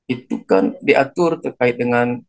itu kan diatur terkait dengan